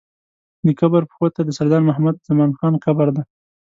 د قبر پښو ته د سردار محمد زمان خان قبر دی.